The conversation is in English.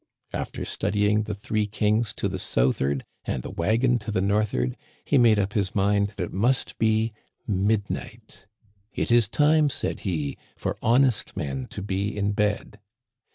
After studying the 'Three Kings' to the south 'ard and the * Wagon ' to the north'ard, he made up his mind it must be midnight * It is time,' said he, ' for honest men to be in bed.'